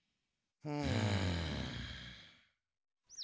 うん。